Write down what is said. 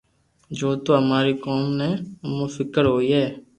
جو تو اماري قوم نو امون فڪر ھوئي